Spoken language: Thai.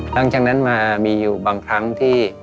หลังจากนั้นมามีอยู่บางครั้งที่